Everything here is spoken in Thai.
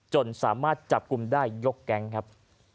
จนสามารถจับกลุ่มได้ยกแก๊งครับ